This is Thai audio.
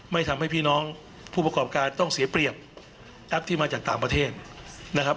ไม่ทำให้พี่น้องผู้ประกอบการต้องเสียเปรียบแอปที่มาจากต่างประเทศนะครับ